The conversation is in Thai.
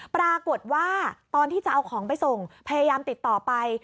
ปรากฏว่าตอนที่จะเอาของไปส่งพยายามติดต่อไป